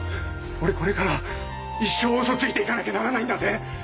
俺これから一生ウソついていかなきゃならないんだぜ！？